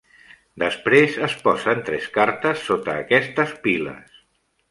Després es posen tres cartes sota aquestes piles.